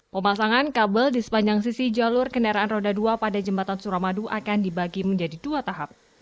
pemasangan kabel di sepanjang sisi jalur kendaraan roda dua pada jembatan suramadu akan dibagi menjadi dua tahap